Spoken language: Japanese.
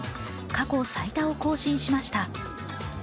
過去最多を更新しました。